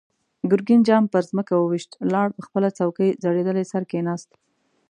ګرګين جام پر ځمکه و ويشت، لاړ، په خپله څوکۍ زړېدلی سر کېناست.